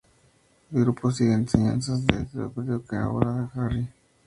El grupo sigue las enseñanzas del erudito etíope Abdullah al-Harari.